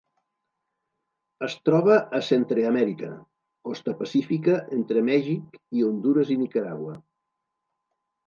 Es troba a Centreamèrica: costa pacífica entre Mèxic i Hondures i Nicaragua.